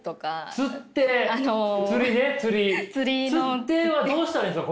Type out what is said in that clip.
「釣って」はどうしたらいいんですか？